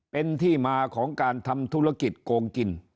เป็นที่มาของการทำธุรกิจโกงกิน